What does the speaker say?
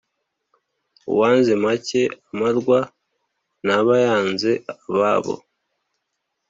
Uwenze make (amarwa) ntaba yanze ababo.